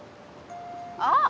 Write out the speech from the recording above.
あっ！